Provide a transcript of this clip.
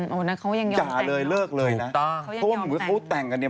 โอ้โหนะเขายังยอมแต่งจ๋าเลยเลิกเลยนะเพราะว่าเหมือนว่าเขาแต่งกันเนี่ย